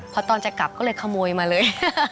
พอตอนจะกลับก็เลยขโมยมาเลย